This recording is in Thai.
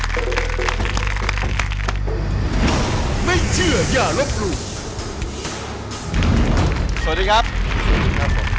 เมื่อกี้ที่เราพูดตอนเริ่มรายการมสด่ำ